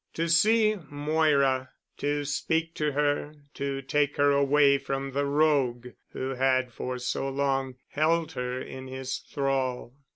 To see Moira, to speak to her, to take her away from the rogue who had for so long held her in his thrall....